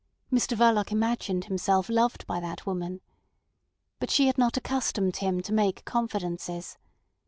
Mr Verloc imagined himself loved by that woman. But she had not accustomed him to make confidences.